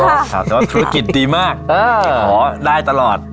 แต่ว่าธุรกิจดีมากขอได้ตลอด